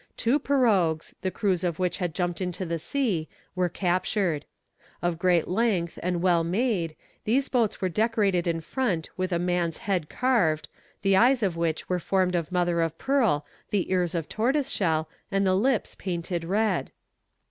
Two pirogues, the crews of which had jumped into the sea, were captured. Of great length and well made, these boats were decorated in front with a man's head carved, the eyes of which were formed of mother of pearl, the ears of tortoise shell, and the lips painted red.